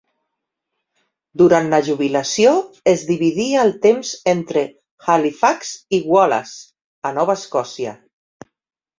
Durant la jubilació es dividia el temps entre Halifax i Wallace, a Nova Escòcia.